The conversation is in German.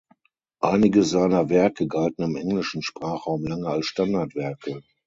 Einige seiner Werke galten im englischen Sprachraum lange als Standardwerke.